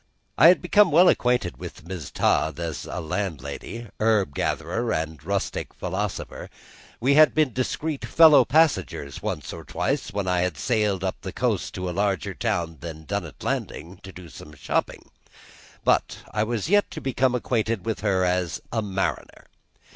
I had become well acquainted with Mrs. Todd as landlady, herb gatherer, and rustic philosopher; we had been discreet fellow passengers once or twice when I had sailed up the coast to a larger town than Dunnet Landing to do some shopping; but I was yet to become acquainted with her as a mariner.